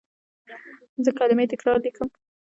زه کلمې تکرار لیکم.